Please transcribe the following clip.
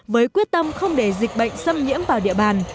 với quyết tâm không để dịch bệnh xâm nhiễm vào địa bàn